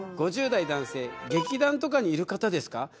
５０代男性「劇団とかにいる方ですか？」